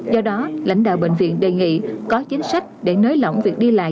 do đó lãnh đạo bệnh viện đề nghị có chính sách để nới lỏng việc đi lại